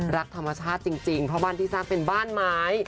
รักธรรมชาติจริงเพราะบ้านที่สร้างเป็นบ้านไม้